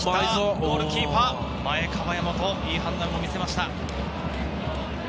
ゴールキーパー・前川大和、いい判断を見せました。